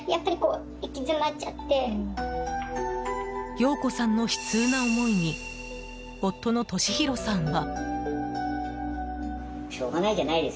洋子さんの悲痛な思いに夫の敏広さんは。